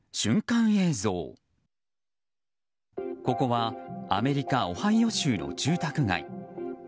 ここはアメリカ・オハイオ州の住宅街。